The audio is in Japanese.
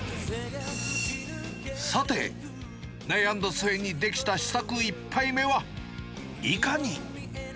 さて、悩んだ末に出来た試作１杯目は、いかに？